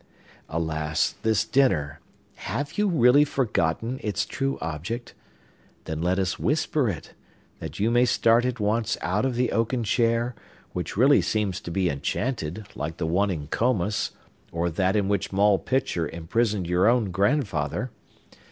Alas, this dinner. Have you really forgotten its true object? Then let us whisper it, that you may start at once out of the oaken chair, which really seems to be enchanted, like the one in Comus, or that in which Moll Pitcher imprisoned your own grandfather.